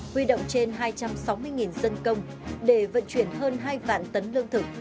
huy động trên hai trăm sáu mươi dân công để vận chuyển hơn hai vạn tấn lương thực